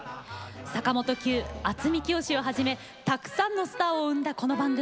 坂本九、渥美清をはじめたくさんのスターを生んだこの番組。